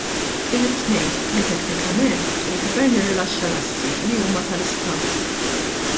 Irrid ngħid li teknikament il-Gvern irrilaxxa l-assi li huma tal-Istat.